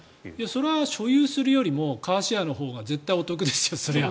それは所有するよりもカーシェアのほうが絶対お得ですよ。